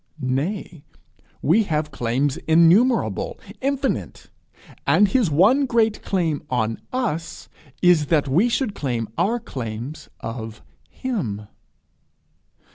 Nay, we have claims innumerable, infinite; and his one great claim on us is that we should claim our claims of him.